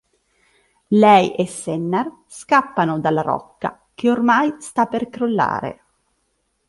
Lei e Sennar scappano dalla Rocca, che ormai sta per crollare.